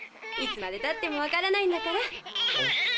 いつまでたってもわからないんだから。